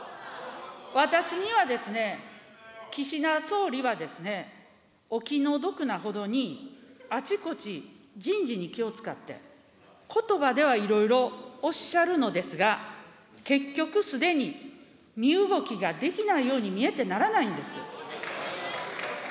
私にはですね、岸田総理はお気の毒なほどにあちこち人事に気を遣って、ことばではいろいろおっしゃるのですが、結局すでに身動きができないように見えてならないんです。